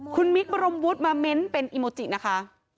คุณมิคบรมวุฒิมาเม้นต์เป็นอิโมจินะคะ